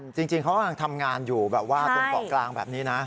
จริงจริงเขาก็ทำงานอยู่แบบว่าตรงกลางแบบนี้นะ